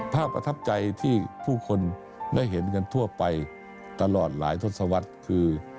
ประทับใจที่ผู้คนได้เห็นกันทั่วไปตลอดหลายทศวรรษคือ